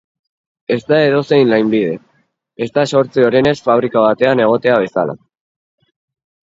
Ez da edozein lanbide, ez da zortzi orenez fabrika batean egotea bezala.